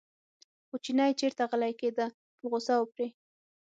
خو چینی چېرته غلی کېده په غوسه و پرې.